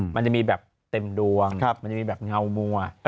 มันจะมีแบบเต็มดวงมันจะมีแบบเงามัว